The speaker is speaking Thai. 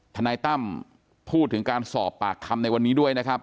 ทนายตั้มพูดถึงการสอบปากคำในวันนี้ด้วยนะครับ